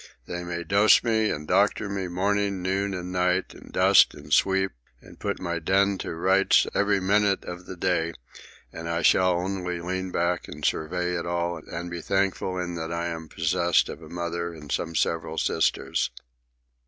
They may dose me and doctor me morning, noon, and night, and dust and sweep and put my den to rights every minute of the day, and I shall only lean back and survey it all and be thankful in that I am possessed of a mother and some several sisters.